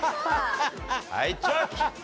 はいチョキ！